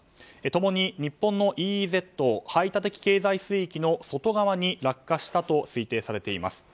共に日本のＥＥＺ・排他的経済水域の外側に落下したと推定されています。